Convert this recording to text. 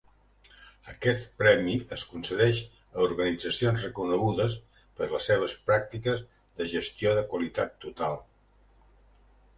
Aquest premi es concedeix a organitzacions reconegudes per les seves practiques de gestió de qualitat total.